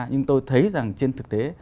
nhưng tôi thấy rằng trên thực tế